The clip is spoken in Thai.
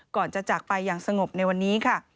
ก่อนจะจากไปอย่างสงบในวันนี้ค่ะ